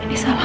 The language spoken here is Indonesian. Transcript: aku mata alam